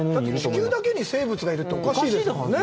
地球だけに生物がいるって、おかしいよね。